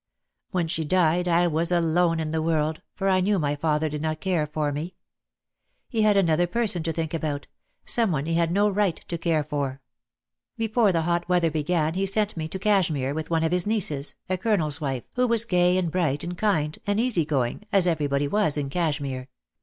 When she died I was alone in the world, for I knew my father did not care for me. He had another person to think about; someone he had no right to care for. Before the hot weather began he sent me to Cashmere, with one of his nieces, a Colonel's wife, who was gay and bright and kind and easy going, as everybody was in Cashmere.